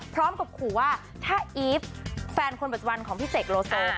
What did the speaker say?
พร้อมกับขู่ว่าถ้าอีฟแฟนคนปัจจุบันของพี่เสกโลโซ